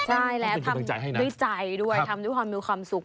ใช่แล้วทำใจด้วยใจด้วยทำด้วยความมีความสุข